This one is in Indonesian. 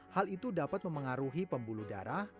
hal itu dapat memengaruhi pembuluh darah